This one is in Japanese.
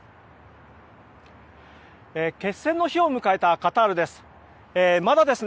決戦の日を迎えたカタールです。